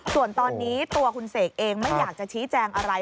ส่วนตอนนี้ตัวคุณเสกเองไม่อยากจะชี้แจงอะไร